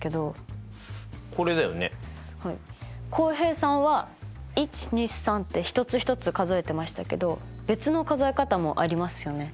浩平さんは１２３って一つ一つ数えてましたけど別の数え方もありますよね。